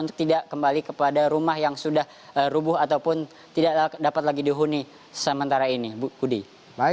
untuk tidak kembali kepada rumah yang sudah rubuh ataupun tidak dapat lagi dihuni sementara ini budi